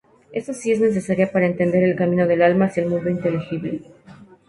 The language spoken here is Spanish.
Eso sí, es necesaria para entender el camino del alma hacia el mundo inteligible.